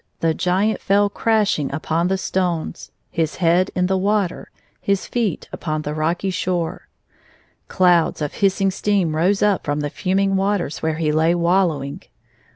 NOX ANn TlLiiLN MKMJATIOXS R L the giant fell crashing upon the stones, his head in the water, his feet upon the rocky shore. Clouds of hissing steam rose up from the ftiming waters where he lay wallowing.